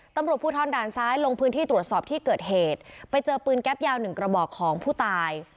ตำรวจภูทรด่านซ้ายลงพื้นที่ตรวจสอบที่เกิดเหตุไปเจอปืนแก๊ปยาวหนึ่งกระบอกของผู้ตาย